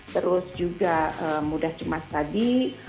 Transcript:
terus juga mudah cemas tadi